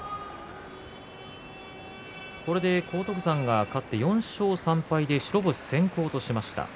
これで荒篤山が勝って４勝３敗で白星先行としました。